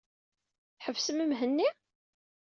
Tḥebsem Mhenni?